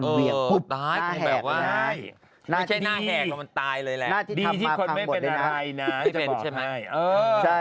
ดีที่คนไม่เป็นอะไรนะ